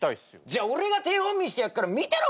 じゃあ俺が手本見してやっから見てろお前。